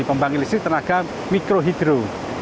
pembangkit listrik tenaga mikrohidro